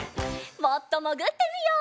もっともぐってみよう。